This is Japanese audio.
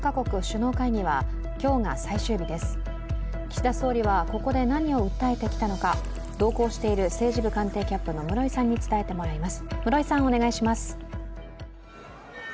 岸田総理はここで何を訴えてきたのか、同行している政治部官邸キャップの室井さんにお伝えしてもらいます。